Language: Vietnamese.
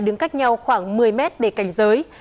đứng cách nhau khoảng một mươi mét để cảnh giới